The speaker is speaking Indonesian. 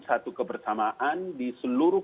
satu kebersamaan di seluruh